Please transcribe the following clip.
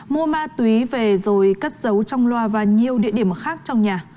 mua ma túy về rồi cất giấu trong loa và nhiều địa điểm khác trong nhà